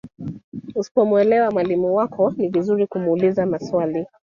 Usipomwelewa mwalimu wako ni vizuri kumuuliza maswali.